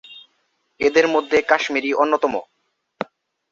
এদের মধ্যে কাশ্মীরি অন্যতম।